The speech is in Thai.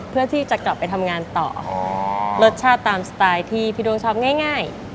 เพื่อที่จะกลับไปทำงานต่อรสชาติตามสไตล์ที่พี่ดวงชอบง่าย